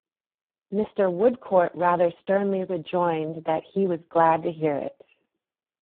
Mr. Woodcourt rather sternly rejoined that he was glad to hear it.